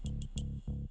tidak ada lagi